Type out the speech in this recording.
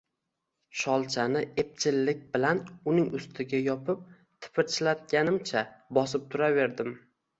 Sholchani epchillik bilan uning ustiga yopib, tipirchilatganimcha bosib turaverdim